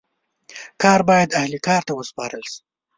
کار باید اهل کار ته وسپارل سي.